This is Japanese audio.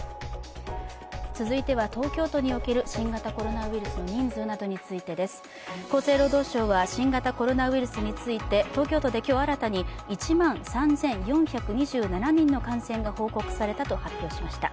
続いては、東京都における新型コロナウイルスの人数などについてです。厚生労働省は新型コロナウイルスについて、東京都で今日新たに１万３４２７人の感染が報告されたと発表しました。